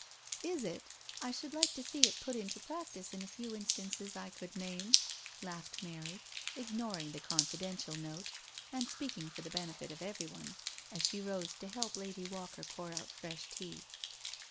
" Is it? I should like to see it put into practice in a few instances I could name," laughed Mary, ignoring the confidential note, and speaking for the benefit of everyone, as she rose to help Lady Walker pour out fresh tea.